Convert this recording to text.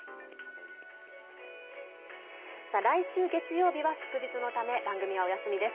来週、月曜日は祝日のため番組はお休みです。